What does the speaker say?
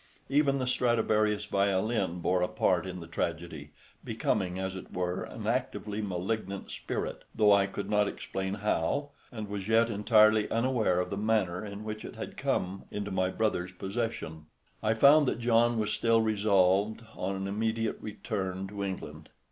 Even the Stradivarius violin bore a part in the tragedy, becoming, as it were, an actively malignant spirit, though I could not explain how, and was yet entirely unaware of the manner in which it had come into my brother's possession. I found that John was still resolved on an immediate return to England.